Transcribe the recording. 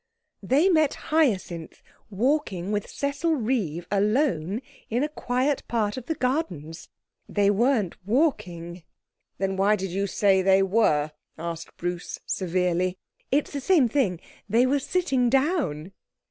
'They met Hyacinth, walking with Cecil Reeve alone in a quiet part of the Gardens. They weren't walking.' 'Then why did you say they were?' asked Bruce severely. 'It's the same thing. They were sitting down.'